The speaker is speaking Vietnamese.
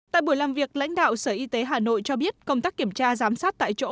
tại buổi làm việc lãnh đạo sở y tế hà nội cho biết công tác kiểm tra giám sát tại chỗ